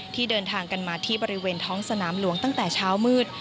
เดินทางกันมาที่บริเวณท้องสนามหลวงตั้งแต่เช้ามืด